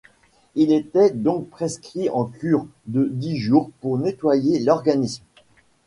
Il était donc prescrit en cure de dix jours pour nettoyer l'organisme.